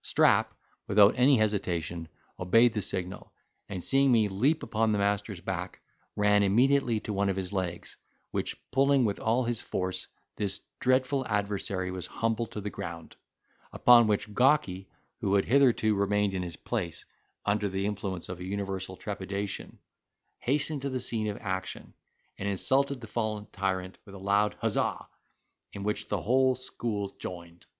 Strap, without any hesitation, obeyed the signal, and seeing me leap upon the master's back, ran immediately to one of his legs, which pulling with all his force, this dreadful adversary was humbled to the ground; upon which Gawky, who had hitherto remained in his place, under the influence of a universal trepidation, hastened to the scene of action, and insulted the fallen tyrant with a loud huzza, in which the whole school joined.